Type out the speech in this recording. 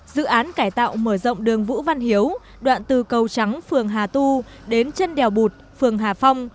dự án cải tạo mở rộng đường vũ văn hiếu đoạn từ cầu trắng phường hà tu đến chân đèo bụt phường hà phong